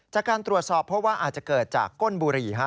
จากการตรวจสอบเพราะว่าอาจจะเกิดจากก้นบุหรี่